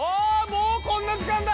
もうこんな時間だ！